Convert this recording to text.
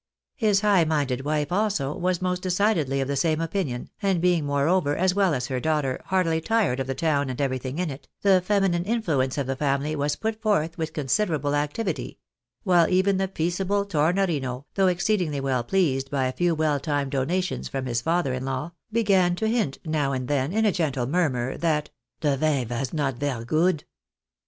His high minded wife, also, was most decidedly of the same opinion, and being, moreover, as well as her daughter, heartily tired of the town and everything in it, the feminine influ ence of the family was put forth with considerable activity ; while even the peaceable Tornorino, though exceedingly well pleased by a few well timed donations from his father in law, began to hint now and then, in a gentle murmur, that " de vin vas not ver good."